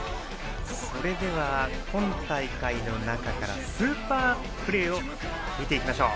それでは、今大会の中からスーパープレーを見ていきましょう。